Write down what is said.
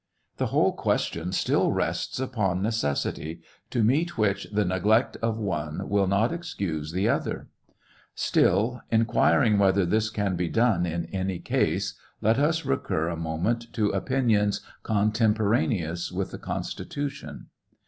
The whole questioi still rests upon necessity, to meet which the neglect of one will not excuse th TRIAL OF HENRY WIEZ. 727 other. Still, inquiring whether this can be done iu any case, let us recur a moment to opinions cotemporaneous with the Constitution.